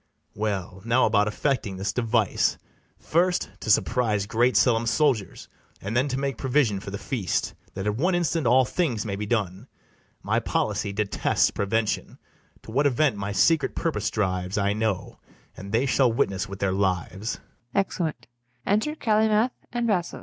Well, now about effecting this device; First, to surprise great Selim's soldiers, And then to make provision for the feast, That at one instant all things may be done: My policy detests prevention. To what event my secret purpose drives, I know; and they shall witness with their lives. [Exeunt.] Enter CALYMATH and BASSOES.